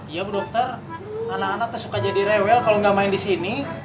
iya bu dokter anak anak kesukaan jadi rewel kalo gak main dini